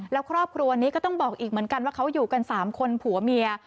แล้วครอบครัวนี้ก็ต้องบอกอีกเหมือนกันว่าเขาอยู่กัน๓คนผัวเมีย